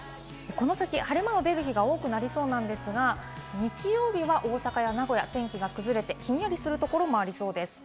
この先晴れ間の出ることが多いですが、日曜日は大阪や名古屋、天気が崩れてひんやりするところもありそうです。